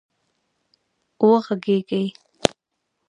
وږغېږئ